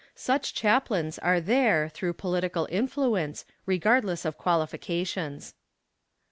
Such chaplains are there through political influence, regardless of qualifications.